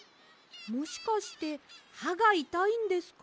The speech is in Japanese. もしかしてはがいたいんですか？